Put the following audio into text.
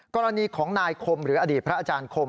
กรณีของนายคมหรืออดีตพระอาจารย์คม